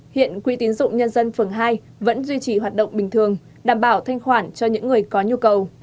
hiện quỹ tiến dụng nhân dân phường hai vẫn duy trì hoạt động bình thường đảm bảo thanh khoản cho những người có nhu cầu